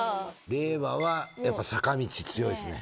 令和はやっぱ坂道強いっすね。